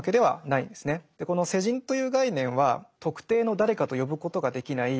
この世人という概念は特定の誰かと呼ぶことができない